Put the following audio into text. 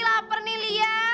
laper nih lia